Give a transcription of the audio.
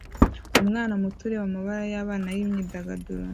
Umwana muto ureba amabara y'abana yimyidagaduro